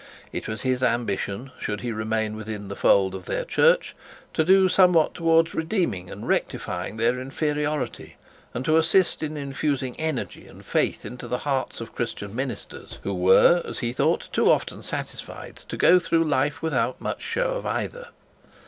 It was his ambition, should he remain within the fold of the church, to do somewhat towards redeeming and rectifying their inferiority, and to assist in infusing energy and faith into the hearts of Christian ministers, who were, as he thought, too often satisfied to go through life without much show of either.